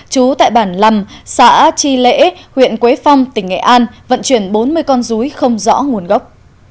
chú tại bản lâm xã chi lễ huyện quế phong tỉnh nghệ an vận chuyển bốn mươi con rúi không rõ nguồn gốc